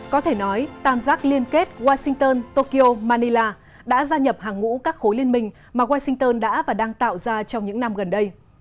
có thể nói tam giác liên kết washington tokyo manila đã gia nhập hàng ngũ các khối liên minh mà washington đã và đang tạo ra trong những năm gần đây